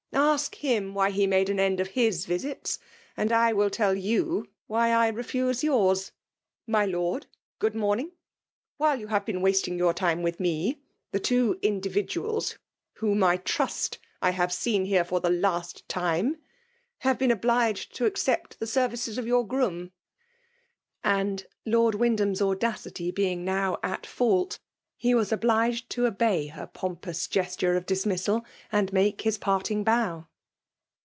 Ask him why he. made an end of his visits, and I will tell you why I refuse yours. My Lord ! good morning. While you have been wasting your time with me, the two individuals whom I trust I have seen here for the last time, have been obliged to accept the services of your groom. And, Lord Wyndham's audacity being now at fault, he was obliged to obey her pompous gesture of dismissal, and make his parting bow.